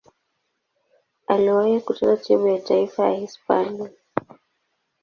Aliwahi kucheza timu ya taifa ya Hispania.